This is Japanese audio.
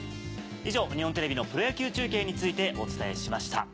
以上日本テレビのプロ野球中継についてお伝えしました。